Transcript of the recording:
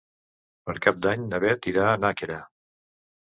Per Cap d'Any na Beth irà a Nàquera.